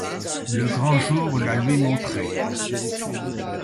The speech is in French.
Le grand jour la lui montrait.